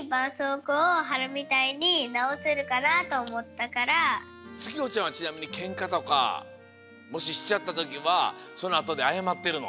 けんかをしてもつきほちゃんはちなみにけんかとかもししちゃったときはそのあとであやまってるの？